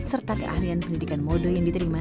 serta keahlian pendidikan modo yang diterima